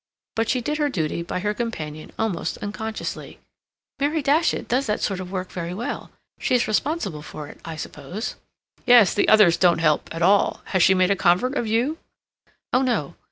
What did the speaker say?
But she did her duty by her companion almost unconsciously. "Mary Datchet does that sort of work very well.... She's responsible for it, I suppose?" "Yes. The others don't help at all.... Has she made a convert of you?" "Oh no.